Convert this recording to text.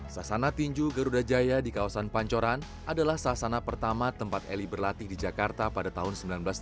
sasana tinju garuda jaya di kawasan pancoran adalah sasana pertama tempat eli berlatih di jakarta pada tahun seribu sembilan ratus tujuh puluh